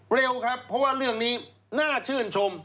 เร็วครับเพราะว่าเรื่องนี้น่าชื่นชม